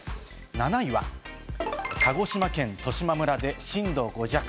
７位は鹿児島県十島村で震度５弱。